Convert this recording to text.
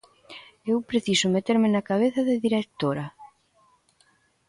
Eu preciso meterme na cabeza da directora.